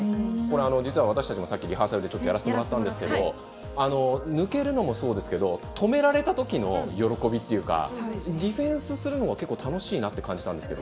私たちもリハーサルでやらせてもらったんですが抜けるのもそうですが止められたときの喜びディフェンスするのも結構楽しいなと感じたんですけど。